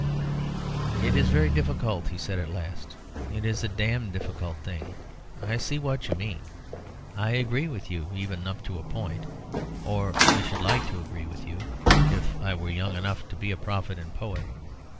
"It is very difficult," he said at last. "It is a damned difficult thing. I see what you mean; I agree with you even up to a point or I should like to agree with you, if I were young enough to be a prophet and poet.